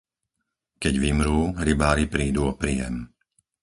Keď vymrú, rybári prídu o príjem.